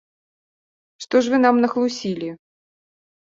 Што ж вы нам нахлусілі?